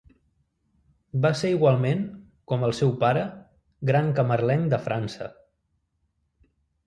Va ser igualment, com el seu pare, gran camarlenc de França.